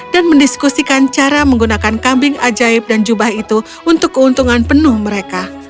dan mendiskusikan cara menggunakan kambing ajaib dan cuba itu untuk keuntungan penuh mereka